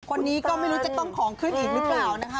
คนนี้ก็ไม่รู้จะต้องของขึ้นอีกหรือเปล่านะคะ